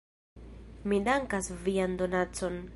Mi dankas vian donacon.